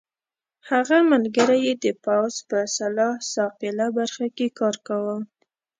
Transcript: هغه ملګری یې د پوځ په سلاح ساقېله برخه کې کار کاوه.